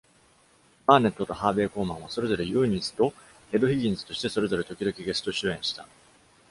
バーネットとハーベイ・コーマンはそれぞれユーニスとエドヒギンズとしてそれぞれ時々ゲスト主演した。